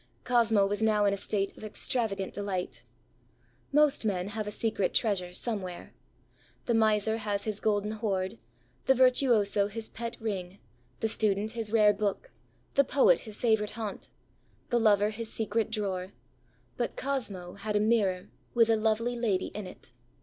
Cosmo was now in a state of extravagant delight. Most men have a secret treasure somewhere. The miser has his golden hoard; the virtuoso his pet ring; the student his rare book; the poet his favourite haunt; the lover his secret drawer; but Cosmo had a mirror with a lovely lady in it.